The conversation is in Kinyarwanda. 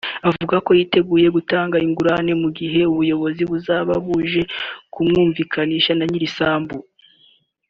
avuga ko yiteguye gutanga ingurane mu gihe ubuyobozi buzaba buje kumwumvikanisha na nyir’isambu